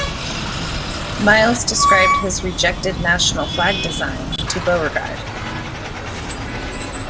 Miles described his rejected national flag design to Beauregard.